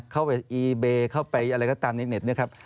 เข้าอย่างอีเบไปอะไรก็ตามในเนตเนี่ยครับ